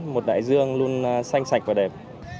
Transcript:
một đại dương luôn xanh sạch và đẹp